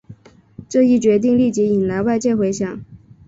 这一决定立即引来外界回响。